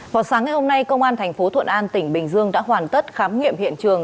vào sáng ngày hôm nay công an thành phố thuận an tỉnh bình dương đã hoàn tất khám nghiệm hiện trường